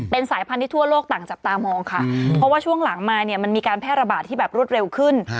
เป็นสายพันธุ์ทั่วโลกต่างจับตามองค่ะเพราะว่าช่วงหลังมาเนี่ยมันมีการแพร่ระบาดที่แบบรวดเร็วขึ้น